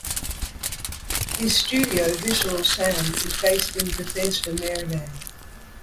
His studio, Visceral Sound, is based in Bethesda, Maryland.